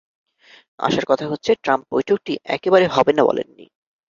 আশার কথা হচ্ছে, ট্রাম্প বৈঠকটি একেবারে হবে না বলেননি।